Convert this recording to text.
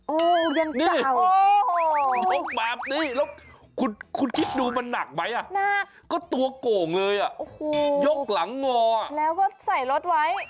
โอ้โหนี่ยกแบบนี้แล้วคุณคิดดูมันหนักไหมอ่ะก็ตัวโก่งเลยอ่ะโอ้โหยกหลังงอแล้วก็ใส่รถไว้